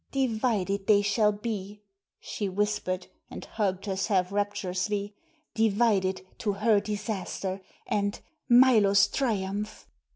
"Divided they shall be!" she whispered, and hugged herself rapturously. "Divided to her disaster and Milo's triumph!"